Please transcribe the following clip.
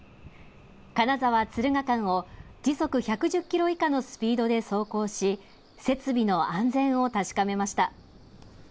金沢・敦賀間を時速１１０キロ以下のスピードで走行し、設備の安全を確かめました。